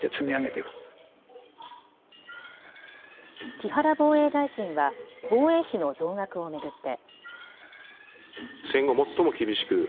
木原防衛大臣は防衛費の増額を巡って。